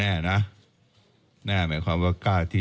แล้วถ้าคุณชุวิตไม่ออกมาเป็นเรื่องกลุ่มมาเฟียร์จีน